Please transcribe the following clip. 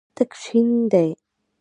تک شین دی.